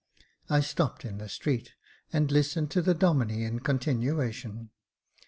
I stopped in the street, and listened to the Domine in continuation.